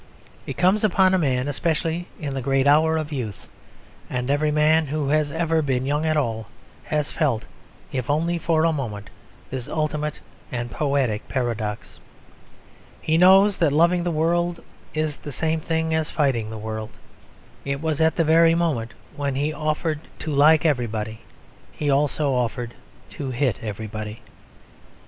It comes upon a man especially in the great hour of youth; and every man who has ever been young at all has felt, if only for a moment, this ultimate and poetic paradox. He knows that loving the world is the same thing as fighting the world. It was at the very moment when he offered to like everybody he also offered to hit everybody.